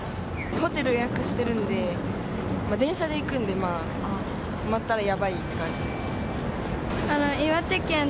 ホテル予約してるので、電車で行くんで、止まったらやばいって感じです。